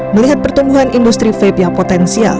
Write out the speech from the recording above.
melihat pertumbuhan industri vape yang potensial